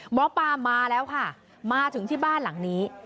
หมอปลามาแล้วค่ะมาถึงที่บ้านหลังนี้